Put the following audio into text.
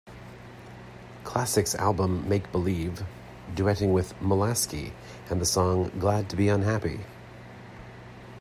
Classics album "Make Believe", dueting with Molaskey on the song "Glad To Be Unhappy.